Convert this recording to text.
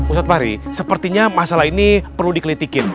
ustaz fahri sepertinya masalah ini perlu dikelitikin